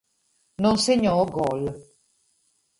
Non segnò gol.